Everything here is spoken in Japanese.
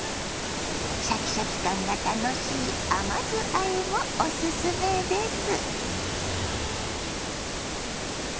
シャキシャキ感が楽しい甘酢あえもおすすめです。